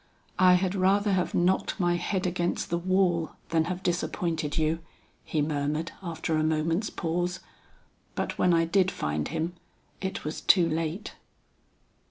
"I had rather have knocked my head against the wall, than have disappointed you," he murmured after a moment's pause. "But when I did find him, it was too late."